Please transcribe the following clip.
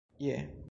je